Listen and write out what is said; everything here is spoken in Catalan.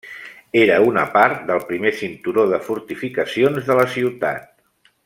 Era una part del primer cinturó de fortificacions de la ciutat.